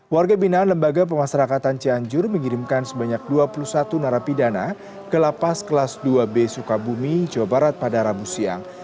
warga binaan lembaga pemasarakatan cianjur mengirimkan sebanyak dua puluh satu narapidana ke lapas kelas dua b sukabumi jawa barat pada rabu siang